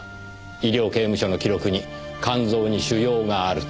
医療刑務所の記録に肝臓に腫瘍があると。